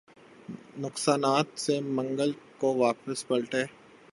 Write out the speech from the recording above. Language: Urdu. نقصانات سے منگل کو واپس پلٹے